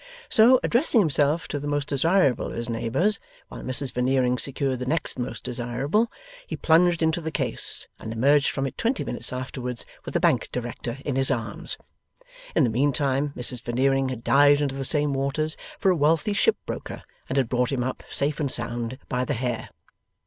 So, addressing himself to the most desirable of his neighbours, while Mrs Veneering secured the next most desirable, he plunged into the case, and emerged from it twenty minutes afterwards with a Bank Director in his arms. In the mean time, Mrs Veneering had dived into the same waters for a wealthy Ship Broker, and had brought him up, safe and sound, by the hair.